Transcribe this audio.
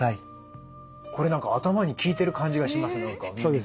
これ何か頭に効いてる感じがします